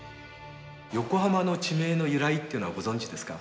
横浜の地名の由来っていうのはご存じですか？